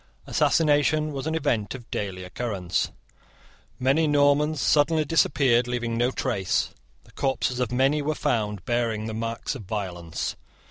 Assassination was an event of daily occurrence. Many Normans suddenly disappeared leaving no trace. The corpses of many were found bearing the marks of violence.